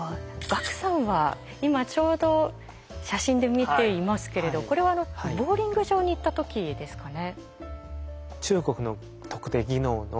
さんは今ちょうど写真で見ていますけれどこれはボウリング場に行った時ですかね？